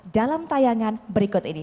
dalam tayangan berikut ini